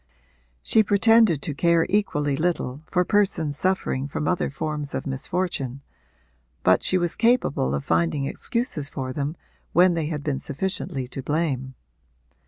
She pretended to care equally little for persons suffering from other forms of misfortune, but she was capable of finding excuses for them when they had been sufficiently to blame.